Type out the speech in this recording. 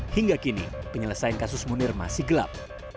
hingga kini penyelesaian kasus munir masih gelap